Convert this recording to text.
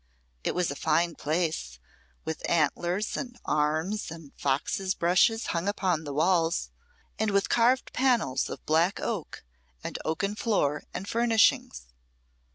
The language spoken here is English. It was a fine place, with antlers, and arms, and foxes' brushes hung upon the walls, and with carved panels of black oak, and oaken floor and furnishings.